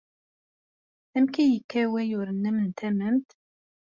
Amek ay yekka wayyur-nnem n tamemt?